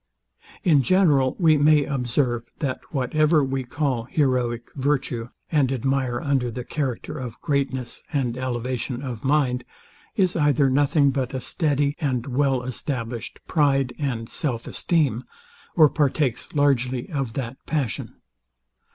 In general we may observe, that whatever we call heroic virtue, and admire under the character of greatness and elevation of mind, is either nothing but a steady and well established pride and self esteem, or partakes largely of that passion.